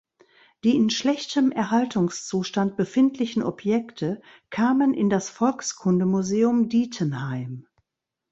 Die in schlechtem Erhaltungszustand befindlichen Objekte kamen in das Volkskundemuseum Dietenheim.